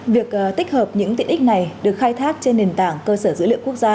việc tích hợp những tiện ích này được khai thác trên nền tảng cơ sở dữ liệu quốc gia